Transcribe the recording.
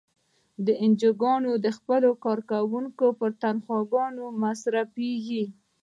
انجوګانې د خپلو کارکوونکو پر تنخواګانو مصرفیږي.